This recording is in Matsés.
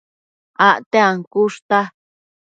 Acte ancushta